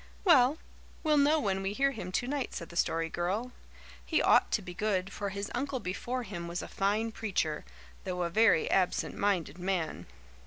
"Well, we'll know when we hear him tonight," said the Story Girl. "He ought to be good, for his uncle before him was a fine preacher, though a very absent minded man.